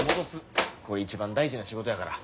これ一番大事な仕事やから。